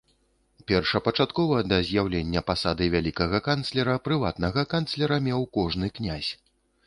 Першапачаткова, да з'яўлення пасады вялікага канцлера, прыватнага канцлера меў кожны князь.